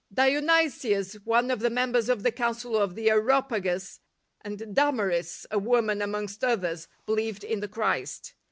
Dionysius, one of the members of the Council of the Areopagus, and Damaris, a woman, amongst others, be lieved in the Christ.